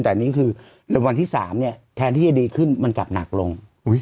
แต่อันนี้คือวันที่๓เนี่ยแทนที่จะดีขึ้นมันกลับหนักลง